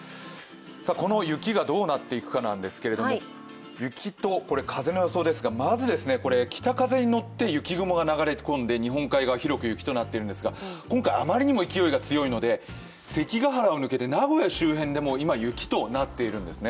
この雪がどうなっていくかなんですけど、雪と風の予想ですが、まず北風に乗って雪雲が流れ込んで日本海側、広く雪となっているんですが、今回あまりにも勢いが強いので関ケ原抜けて名古屋周辺でも今、雪となっているんですね。